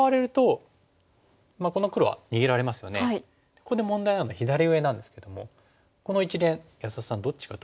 ここで問題なのは左上なんですけどもこの一連安田さんどっちが得してますかね。